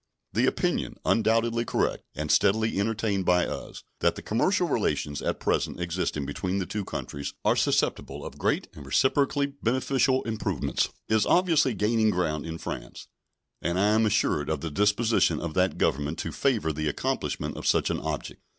The opinion, undoubtedly correct, and steadily entertained by us, that the commercial relations at present existing between the two countries are susceptible of great and reciprocally beneficial improvements is obviously gaining ground in France, and I am assured of the disposition of that Government to favor the accomplishment of such an object.